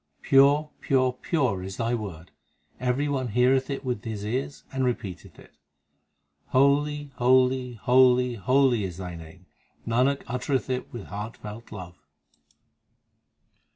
Pure, pure, pure is Thy Word ; Every one heareth it with his ears, and repeat eth it. Holy, holy, holy, holy Is Thy name ; Nanak uttereth it with heartfelt love.